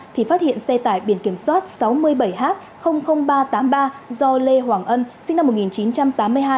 thì phát hiện xe tải biển kiểm soát sáu mươi bảy h ba trăm tám mươi ba do lê hoàng ân sinh năm một nghìn chín trăm tám mươi hai